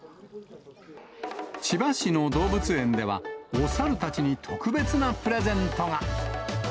千葉市の動物園では、おサルたちに特別なプレゼントが。